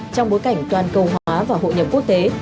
trong bối cảnh toàn cầu hóa và hội nhập quốc tế